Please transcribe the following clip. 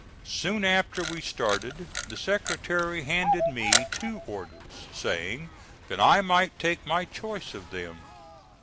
Soon after we started the Secretary handed me two orders, saying that I might take my choice of them.